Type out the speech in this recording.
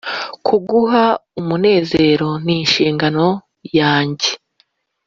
Kuguha umunezero ninshingano yanjye